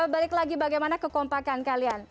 balik lagi bagaimana kekompakan kalian